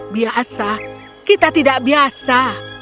biasa kita tidak biasa